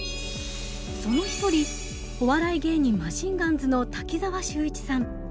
その一人お笑い芸人マシンガンズの滝沢秀一さん。